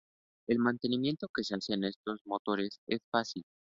El mantenimiento que se hace a estos motores es fácil.